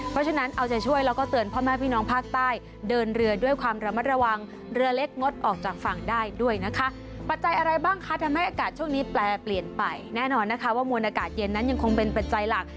ปัจจัยอะไรบ้างคะทำให้อากาศช่วงนี้แปลเปลี่ยนไปแน่นอนนะคะว่ามวลอากาศเย็นนั้นยังคงเป็นปัจจัยหลัก